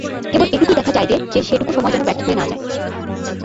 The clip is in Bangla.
কেবল এইটুকুই দেখা চাই যে সেটুকু সময় যেন ব্যর্থ হয়ে না যায়।